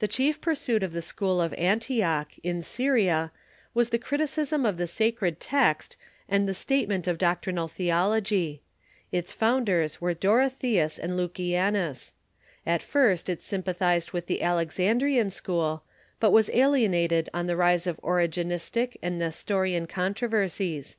The chief pursuit of the school of Antioch, in Syria, Avas the criticism of the sacred text and the statement of doctrinal theology. Its founders were Dorotheus and Lukia Schooi of ,^^jg_ At first it sympathized with the Alexandrian Antioch !• T ,. school, but Avas alienated on the rise of the Ongenis tic and Xestorian controversies.